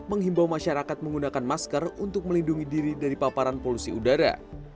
menghimbau masyarakat menggunakan masker untuk melindungi diri dari paparan polusi udara